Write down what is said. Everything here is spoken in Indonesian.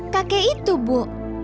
kakek itu bu